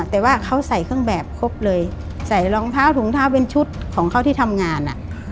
แต่ว่าเขาใส่เครื่องแบบครบเลยใส่รองเท้าถุงเท้าเป็นชุดของเขาที่ทำงาน